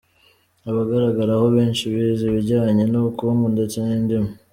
Abagaragaraho benshi bize ibijyanye n’ubukungu ndetse n’indimi.